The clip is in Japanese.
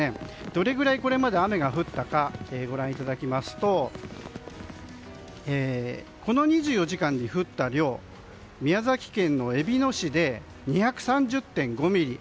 どれぐらいこれまで雨が降ったかご覧いただきますとこの２４時間に降った量宮崎県のえびの市で２３０．５ミリ